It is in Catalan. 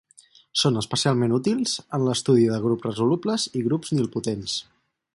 Són especialment útils en l'estudi de grups resolubles i grups nilpotents.